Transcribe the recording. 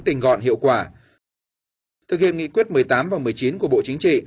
tình gọn hiệu quả thực hiện nghị quyết một mươi tám và một mươi chín của bộ chính trị